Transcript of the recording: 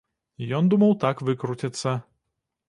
Ён думаў так выкруціцца.